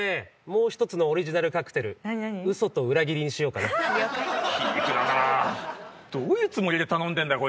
もう一つのオリジナルカクテル嘘と裏切りにしようかな了解皮肉だなどういうつもりで頼んでんだよ